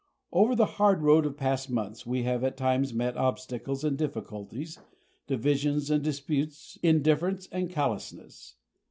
Over the hard road of the past months, we have at times met obstacles and difficulties, divisions and disputes, indifference and callousness.